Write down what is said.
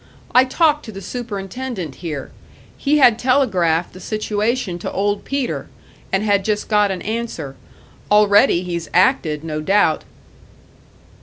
I talked to the superintendent here; he had telegraphed the situation to Old Peter, and had just got an answer. Already he's acted, no doubt."